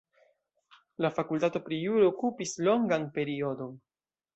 La fakultato pri juro okupis longan periodon.